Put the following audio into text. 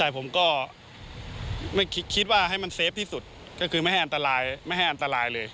แต่ผมก็ไม่คิดว่าให้มันเฟฟที่สุดก็คือไม่ให้อันตรายไม่ให้อันตรายเลย